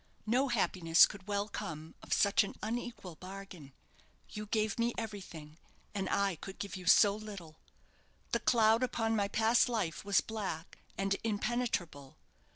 No happiness could well come of such an unequal bargain. You gave me everything, and I could give you so little. The cloud upon my past life was black and impenetrable.